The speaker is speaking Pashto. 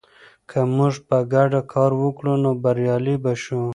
که موږ په ګډه کار وکړو، نو بریالي به شو.